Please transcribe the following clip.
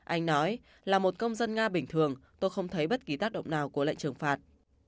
anh nói là một công dân nga bình thường tôi không thấy bất kỳ tác động nào của lệnh trừng phạt